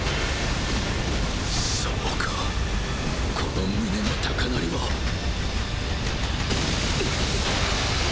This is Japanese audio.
そうかこの胸の高鳴りはうっ。